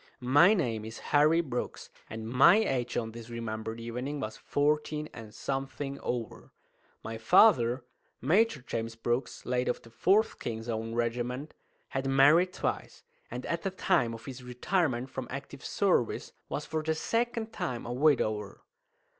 My name is Harry Brooks, and my age on this remembered evening was fourteen and something over. My father, Major James Brooks, late of the 4th (King's Own) Regiment, had married twice, and at the time of his retirement from active service was for the second time a widower.